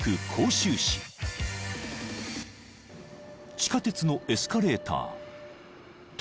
［地下鉄のエスカレーター。と］